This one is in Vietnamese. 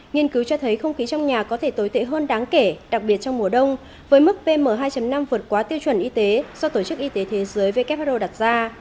nghiên cứu cho thấy không khí trong nhà có thể tồi tệ hơn đáng kể đặc biệt trong mùa đông với mức pm hai năm vượt quá tiêu chuẩn y tế do tổ chức y tế thế giới who đặt ra